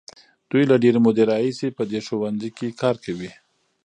دوی له ډېرې مودې راهیسې په دې ښوونځي کې کار کوي.